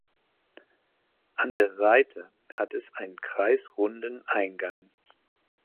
An der Seite hat es einen kreisrunden Eingang.